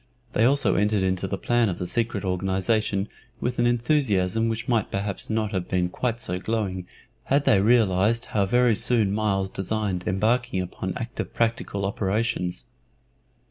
They also entered into the plan of the secret organization with an enthusiasm which might perhaps not have been quite so glowing had they realized how very soon Myles designed embarking upon active practical operations.